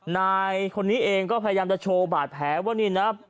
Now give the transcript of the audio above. นายคนนี้เองก็พยายามจะโชว์บาดแผลว่านี่นะ